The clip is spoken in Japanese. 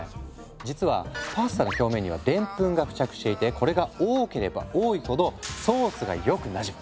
実はパスタの表面にはでんぷんが付着していてこれが多ければ多いほどソースがよくなじむ。